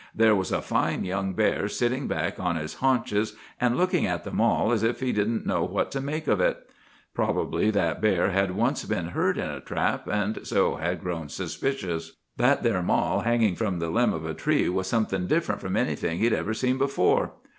There was a fine young bear sitting back on his haunches, and looking at the mall as if he didn't know what to make of it. Probably that bear had once been hurt in a trap, and so had grown suspicious. That there mall hanging from the limb of a tree was something different from anything he'd ever seen before.